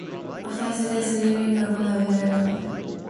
After his death they lived at Genoa at the Villa Novello.